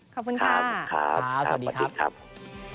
ขอบคุณค่ะสวัสดีครับเจ้าคมครับ